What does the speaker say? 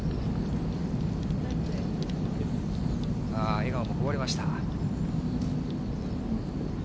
笑顔もこぼれました。